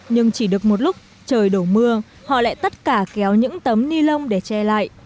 nhưng chỉ được một lúc trời đổ mưa họ lại tất cả kéo những tấm ni lông để che lại